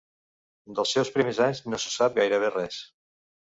Dels seus primers anys no se sap gairebé res.